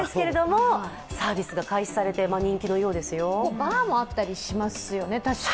バーもあったりしますよね、たしか。